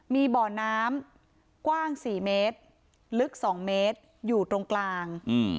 มีบ่อน้ำกว้าง๔เมตรลึก๒เมตรอยู่ตรงกลาง